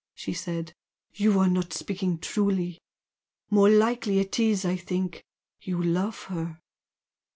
she said "You are not speaking truly. More likely it is, I think, you love her!"